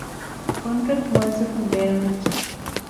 ކޮންޓްރެކްޓް މުއައްޒަފުން ބޭނުންވެއްޖެ